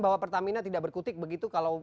bahwa pertamina tidak berkutik begitu kalau